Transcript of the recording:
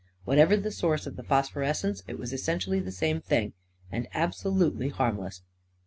Whatever the source of the phosphorescence, it was essentially the same thing, and absolutely harmless.